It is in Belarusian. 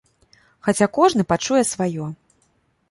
Хаця кожны пачуе сваё.